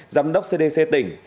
giám đốc cdc tỉnh